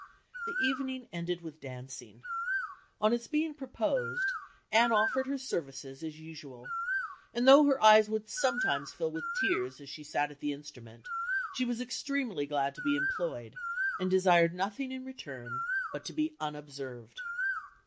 "The evening ended with dancing. On its being proposed, Anne offered her services, as usual; and though her eyes would sometimes fill with tears as she sat at the instrument, she was extremely glad to be employed, and desired nothing in return but to be unobserved."